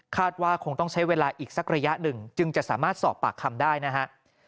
ว่าคงต้องใช้เวลาอีกสักระยะหนึ่งจึงจะสามารถสอบปากคำได้นะฮะ